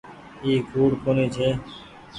اي ڪوڙ ڪونيٚ ڇي۔